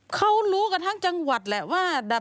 เขารู้กันทั้งจังหวัดแหละว่า